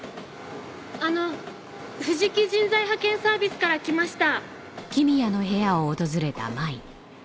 あの藤木人材派遣サービスから来ました。